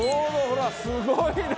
ほらすごいな！